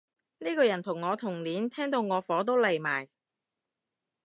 呢個人同我同年，聽到我火都嚟埋